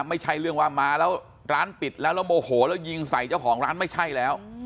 ไม่ใช่เรื่องว่ามาแล้วร้านปิดแล้วแล้วโมโหแล้วยิงใส่เจ้าของร้านไม่ใช่แล้ว